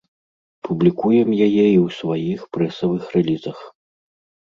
Публікуем яе і ў сваіх прэсавых рэлізах.